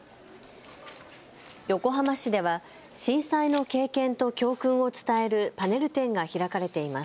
横浜市では震災の経験と教訓を伝えるパネル展が開かれています。